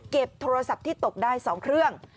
โทรศัพท์ที่ตกได้๒เครื่อง